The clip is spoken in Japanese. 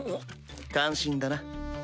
感心だな。